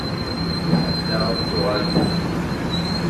Ḥemmleɣ ad dduɣ ɣer yilel.